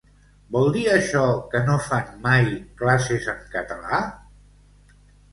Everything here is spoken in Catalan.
Vol dir això que no fan mai classes en català?